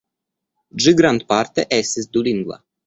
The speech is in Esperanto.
Ĝi grandparte estis dulingva.